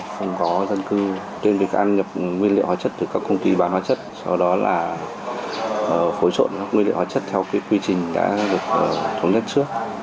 không có dân cư tuyên việc ăn nhập nguyên liệu hóa chất từ các công ty bán hóa chất sau đó là phối trộn các nguyên liệu hóa chất theo quy trình đã được thống nhất trước